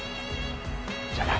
じゃあな。